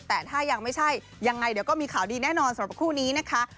แต่ถ้ายังไม่ใช่ยังไงเดี๋ยวก็มีข่าวดีแน่นอนสำหรับคู่นี้นะคะ